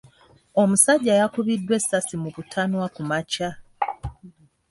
Omusajja yakubiddwa essasi mu butanwa kumakya.